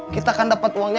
kita kan dapet uangnya